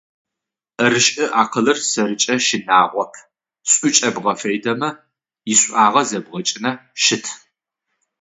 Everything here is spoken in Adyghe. ӏэрышӏы акъылыр сэрыкӏэ щынагъоп, шӏу кӏэбгъэфедэмэ ишӏуагъэ зэбгъэкӏынэ щыт.